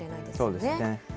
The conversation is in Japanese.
そうですね。